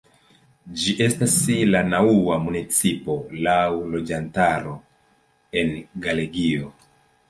Ĝi estas la naŭa municipo laŭ loĝantaro en Galegio.